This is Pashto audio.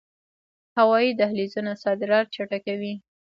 هوایی دهلیزونه صادرات چټکوي